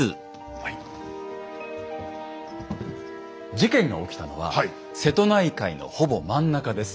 事件が起きたのは瀬戸内海のほぼ真ん中です。